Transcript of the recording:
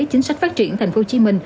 chính sách phát triển tp hcm